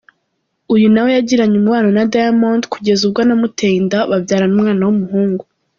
Uyu nawe yagiranye umubano na Diamond kugeza ubwo anamuteye inda babyarana umwana w’umuhungu.